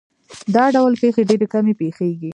دا ډول پېښې ډېرې کمې پېښېږي.